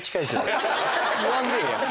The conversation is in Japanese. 言わんでええやん。